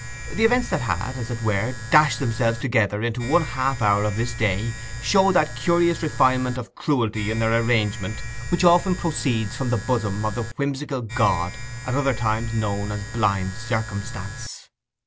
The events that had, as it were, dashed themselves together into one half hour of this day showed that curious refinement of cruelty in their arrangement which often proceeds from the bosom of the whimsical god at other times known as blind Circumstance.